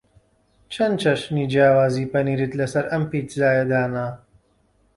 چەند چەشنی جیاوازی پەنیرت لەسەر ئەم پیتزایە دانا؟